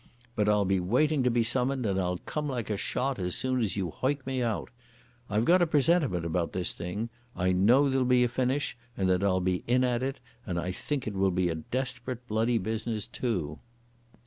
But I'll be waiting to be summoned, and I'll come like a shot as soon as you hoick me out. I've got a presentiment about this thing. I know there'll be a finish and that I'll be in at it, and I think it will be a desperate, bloody business too."